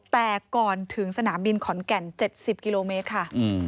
แต่ก่อนถึงสนามบินขอนแก่น๗๐กิโลเมตรค่ะ